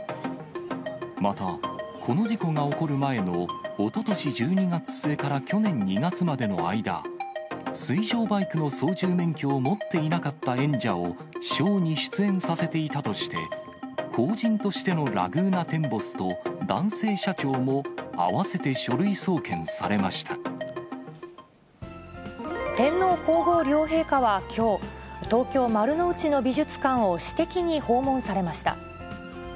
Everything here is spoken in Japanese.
また、この事故が起こる前のおととし１２月末から去年２月までの間、水上バイクの操縦免許を持っていなかった演者をショーに出演させていたとして、法人としてのラグーナテンボスと男性社長も合わせて書類送検され天皇皇后両陛下はきょう、東京・丸の内の美術館を私的に訪問されました。